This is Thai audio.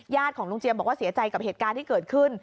ของลุงเจียมบอกว่าเสียใจกับเหตุการณ์ที่เกิดขึ้น